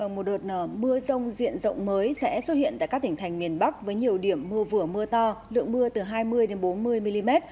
một đợt mưa rông diện rộng mới sẽ xuất hiện tại các tỉnh thành miền bắc với nhiều điểm mưa vừa mưa to lượng mưa từ hai mươi bốn mươi mm